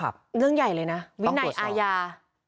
เรื่องใหญ่เลยนะวินัยอาญา